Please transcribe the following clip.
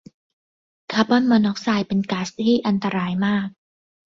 คอร์บอนมอนอกไซด์เป็นก๊าซที่อันตรายมาก